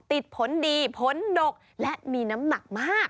ติดผลดีผลดกและมีน้ำหนักมาก